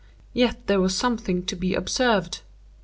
Yet there was something to be observed.